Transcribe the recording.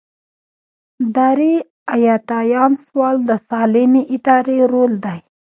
درې ایاتیام سوال د سالمې ادارې رول دی.